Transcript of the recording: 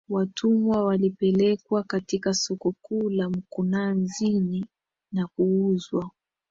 Watumwa walipelekwa katika soko kuu la mkunazini na kuuzwa